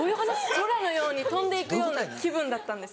空のように飛んで行くような気分だったんです。